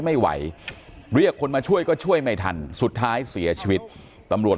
ไม่ไหวเรียกคนมาช่วยก็ช่วยไม่ทันสุดท้ายเสียชีวิตตำรวจ